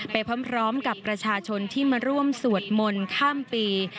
ไปพร้อมกับประชาชนที่มาร่วมสวดมนต์ข้ามปี